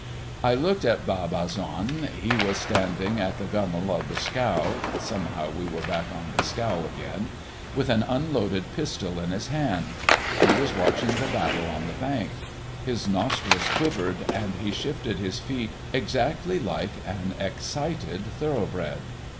I looked at Bab Azzoun; he was standing at the gunwale of the scow (somehow we were back on the scow again) with an unloaded pistol in his hand. He was watching the battle on the bank. His nostrils quivered, and he shifted his feet exactly like an excited thorough bred.